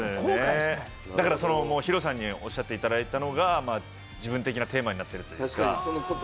ＨＩＲＯさんにおっしゃっていただいたことが自分のテーマになってるというか。